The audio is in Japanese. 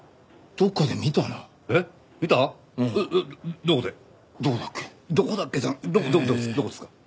どこどこですか？